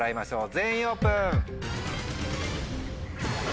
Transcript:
全員オープン。